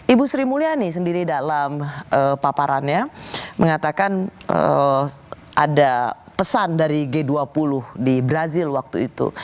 ibu sri mulyani sendiri dalam paparannya mengatakan ada pesan dari g dua puluh di brazil waktu itu